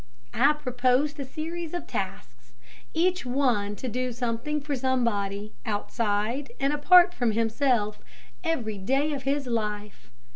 I proposed a series of tasks. Each one to do something for somebody, outside and apart from himself, every day of his life.